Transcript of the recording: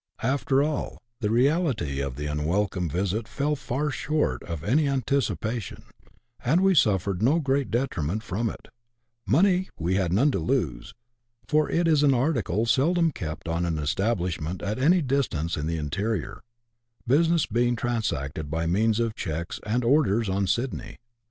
41 After all, the reality of the unwelcome visit fell far short of the anticipation, and we suffered no great detriment from it ; money we had none to lose, for it is an article seldom kept on an establishment at any distance in the interior, business being transacted by means of cheques and " orders " on Sydney.